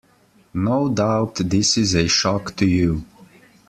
No doubt this is a shock to you.